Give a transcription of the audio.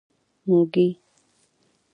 موږي.